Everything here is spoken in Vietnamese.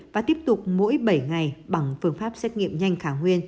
và tiếp tục mỗi bảy ngày bằng phương pháp xét nghiệm nhanh khả nguyên